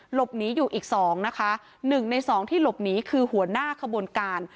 หลบหนีอยู่อีกสองนะคะหนึ่งในสองที่หลบหนีคือหัวหน้าขบวนการ